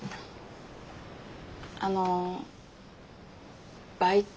あのバイト。